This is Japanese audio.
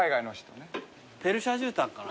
ペルシャじゅうたんかな？